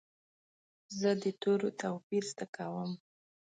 زه د تورو توپیر زده کوم.